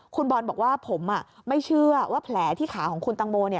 คุณบอลบอกว่าผมไม่เชื่อว่าแผลที่ขาของคุณตังโม